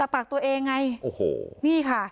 เนี้ยค่ะ